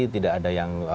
tidak ada yang